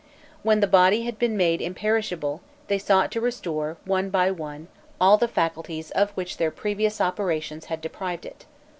When the body had been made imperishable, they sought to restore one by one all the faculties of which their previous operations had deprived it.